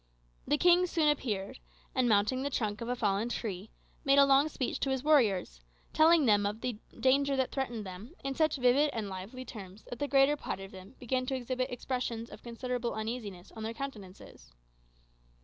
The king soon appeared, and mounting the trunk of a fallen tree, made a long speech to his warriors, telling them of the danger that threatened them, in such vivid and lively terms that the greater part of them began to exhibit expressions of considerable uneasiness on their countenances.